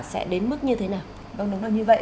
sẽ đến mức như thế nào vâng đúng là như vậy